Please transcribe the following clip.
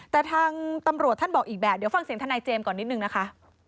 แต่ทางตำรวจท่านบอกอีกแบบเดี๋ยวฟังเสียงทนายเจมส์ก่อนนิดนึงนะคะ